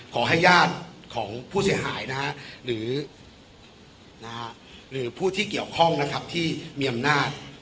ขอให้ญาติของผู้เสียหายนะฮะหรือผู้ที่เกี่ยวข้องนะครับที่มีอำนาจ